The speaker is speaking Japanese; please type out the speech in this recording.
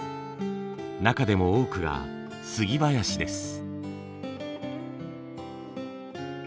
中でも多くがスギ林です。